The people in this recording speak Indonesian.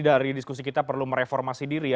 dari diskusi kita perlu mereformasi diri ya